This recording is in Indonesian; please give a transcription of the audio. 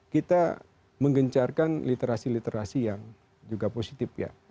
kita menggencarkan literasi literasi yang juga positif ya